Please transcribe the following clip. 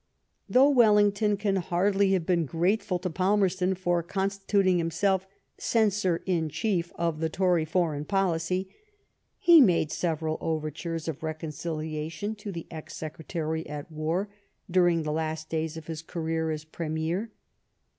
Though Wellington can hardly have been grateful to Falmerston for constituting himself censor in chief of the Tory foreign policy, he made several overtures of reconciliation to the ex Secretary at War during the last days of his career as Premier.